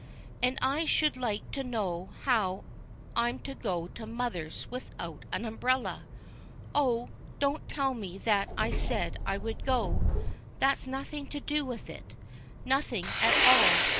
"And I should like to know how I'm to go to mother's without the umbrella? Oh, don't tell me that I said I would go that's nothing to do with it; nothing at all.